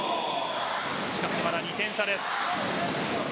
しかし、まだ２点差です。